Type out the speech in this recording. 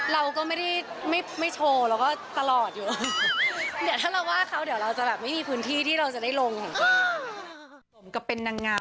เราก็ไม่โชว์ก็ตลอดอยู่